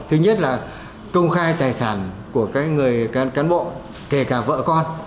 thứ nhất là công khai tài sản của các người cán bộ kể cả vợ con